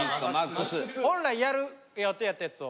本来やる予定やったやつを。